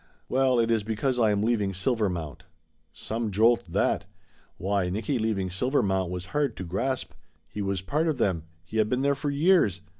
Well, it is because I am leaving Silvermount!" Some jolt, that! Why, Nicky leaving Silvermount was hard to grasp. He was part of them. He had been there for years.